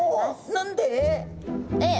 何で？